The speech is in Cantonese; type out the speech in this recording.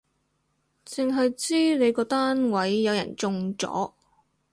剩係知你個單位有人中咗